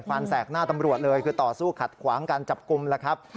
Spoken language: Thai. วันแสกหน้าตำรวจเลยคือต่อสู้ขัดขวางการจับกลุ่มแล้วครับ